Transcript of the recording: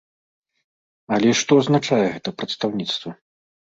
Але што азначае гэта прадстаўніцтва?